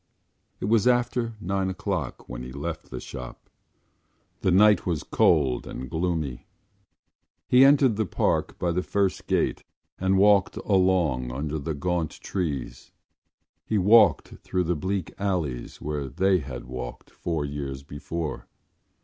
It was after nine o’clock when he left the shop. The night was cold and gloomy. He entered the Park by the first gate and walked along under the gaunt trees. He walked through the bleak alleys where they had walked four years before.